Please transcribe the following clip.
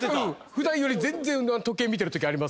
普段より全然時計見てるときあります。